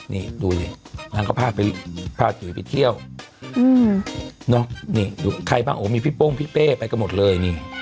นี่ดูสินางก็พาไปพาจุ๋ยไปเที่ยวนี่ใครบ้างโอ้มีพี่โป้งพี่เป้ไปกันหมดเลยนี่